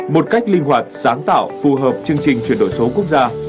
một cách linh hoạt sáng tạo phù hợp chương trình chuyển đổi số quốc gia